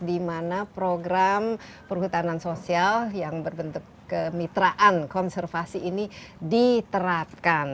di mana program perhutanan sosial yang berbentuk kemitraan konservasi ini diterapkan